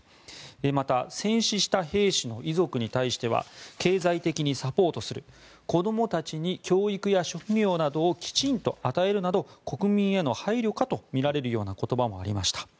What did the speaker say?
また、戦死した兵士の遺族に対しては経済的にサポートする子どもたちに教育や職業などをきちんと与えるなど国民への配慮かとみられるような言葉もありました。